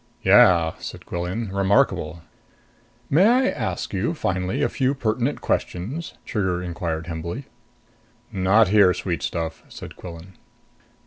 "Yeah," said Quillan. "Remarkable." "May I ask you, finally, a few pertinent questions?" Trigger inquired humbly. "Not here, sweet stuff," said Quillan.